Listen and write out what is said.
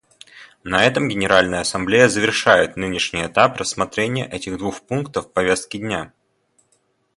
На этом Генеральная Ассамблея завершает нынешний этап рассмотрения этих двух пунктов повестки дня.